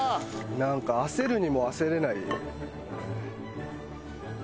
なんか焦るにも焦れない。